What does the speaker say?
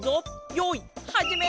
よいはじめ！